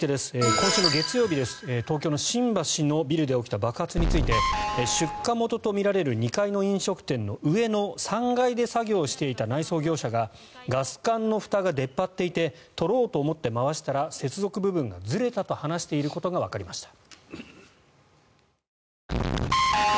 今週の月曜日、東京の新橋のビルで起きた爆発について出火元とみられる２階の飲食店の上の３階で作業していた内装業者がガス管のふたが出っ張っていて取ろうと思って回したら接続部分がずれたと話していることがわかりました。